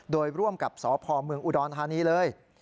โดยร่วมกับสพเมืองอุดรธานีเลย